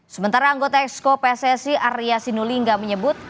sementara anggota exco pssi arya sinulinga menyebut